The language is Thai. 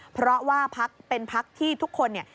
เพราะว่าพักเป็นพักที่ทุกคนเนี่ย